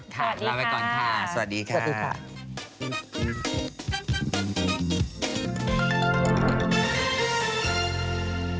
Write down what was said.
ค่ะลาไปก่อนค่ะสวัสดีค่ะ